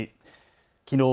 きのう